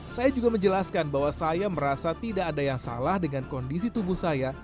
saya juga menjelaskan bahwa saya merasa tidak ada yang salah dengan kondisi tubuh saya